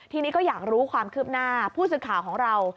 ทีนี้ก็อยากรู้ความคืบหน้าผู้สื่อข่าวของเรา